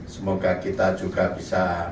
semoga kita juga bisa